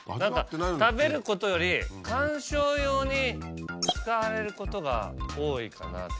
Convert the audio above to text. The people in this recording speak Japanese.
食べることより観賞用に使われることが多いかな。